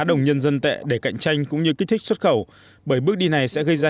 đồng nhân dân tệ để cạnh tranh cũng như kích thích xuất khẩu bởi bước đi này sẽ gây ra